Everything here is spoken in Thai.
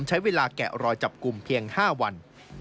ใช้เวลาแกะรอยจับกลุ่มเพียง๕วัน